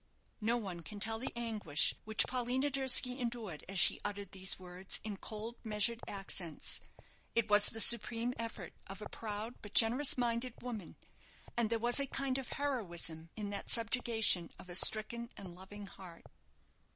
No one can tell the anguish which Paulina Durski endured as she uttered these words in cold, measured accents. It was the supreme effort of a proud, but generous minded woman, and there was a kind of heroism in that subjugation of a stricken and loving heart.